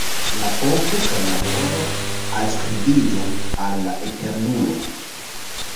La povo kaj la gloro alskribiĝu al la Eternulo.